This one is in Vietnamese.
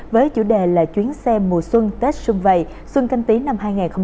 với chủ đề là chuyến xe mùa xuân tết xung vầy xuân canh tí năm hai nghìn hai mươi